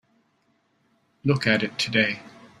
Look at it today.